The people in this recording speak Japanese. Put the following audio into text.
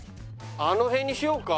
あの辺にしようか。